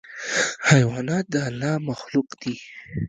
حیوانات د الله مخلوق دي.